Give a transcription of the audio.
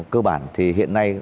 cơ bản thì hiện nay